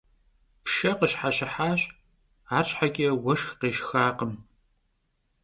Pşşe khışheşıhaş, arşheç'e vueşşx khêşşxakhım.